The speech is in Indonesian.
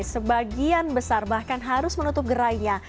sebagian besar bahkan harus menutup gerainya